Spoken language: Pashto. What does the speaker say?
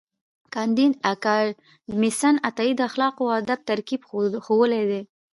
کانديد اکاډميسن عطایي د اخلاقو او ادب ترکیب ښوولی دی.